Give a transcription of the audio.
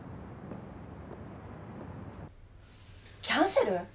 キャンセル！？